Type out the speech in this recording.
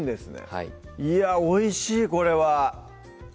はいいやおいしいこれは！